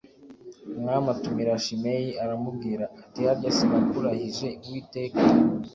Umwami atumira Shimeyi aramubwira ati “Harya sinakurahije Uwiteka”